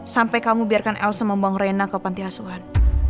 sampai kamu biarkan elsa membawa rena ke pantai asuhan